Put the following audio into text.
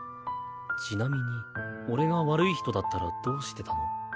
ちなみに俺が悪い人だったらどうしてたの？